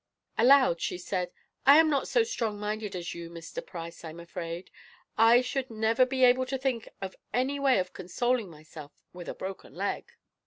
Aloud she said: "I am not so strong minded as you, Mr. Price, I'm afraid. I should never be able to think of any way of consoling myself for a broken leg."